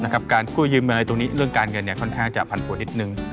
การกู้ยืมเงินอะไรตรงนี้เรื่องการเงินค่อนข้างจะผันผวนนิดนึง